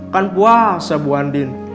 kan puasa bu andin